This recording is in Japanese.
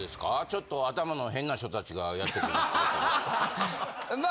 ちょっと頭の変な人達がやって来るってこと。